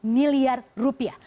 tujuh ratus miliar rupiah